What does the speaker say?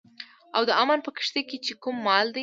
او د امن په کښتئ کې چې کوم مال دی